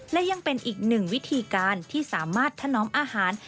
และยังเป็นอีกหนึ่งวิธีการที่สามารถถนอมอาหาร